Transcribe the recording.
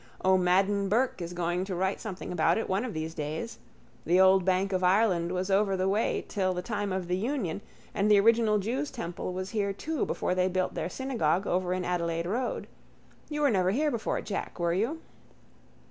O'Madden Burke is going to write something about it one of these days. The old bank of Ireland was over the way till the time of the union and the original jews' temple was here too before they built their synagogue over in Adelaide road. You were never here before, Jack, were you?